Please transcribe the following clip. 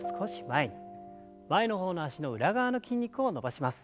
前の方の脚の裏側の筋肉を伸ばします。